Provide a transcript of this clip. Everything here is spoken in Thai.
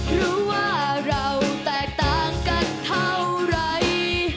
รู้ว่าเราแตกต่างกันเท่าไร